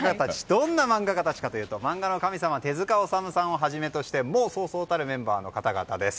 どんな漫画家たちかというと漫画の神様手塚治虫さんをはじめとしてそうそうたるメンバーの方々です。